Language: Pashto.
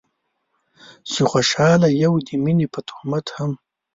چې خوشحاله يو د مينې په تهمت هم